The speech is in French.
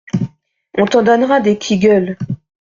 On t'en donnera des "Qui gueule"!